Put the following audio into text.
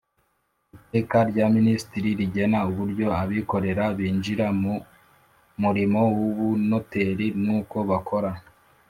Iteka rya minisitiri rigena uburyo abikorera binjira mu murimo w ubunoteri n uko bakora